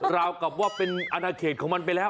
ราวกับว่าเป็นอนาเขตของมันไปแล้ว